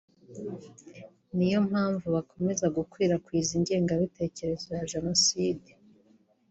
niyo mpamvu bakomeza gukwirakwiza ingengabitekerezo ya Jenoside